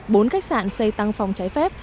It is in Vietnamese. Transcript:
bốn khách sạn xây tăng phòng trái phép